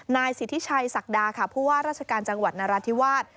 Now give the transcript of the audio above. นายสิทธิชัยศักดาค่ะผู้ว่าราชการจังหวัดนราธิวาส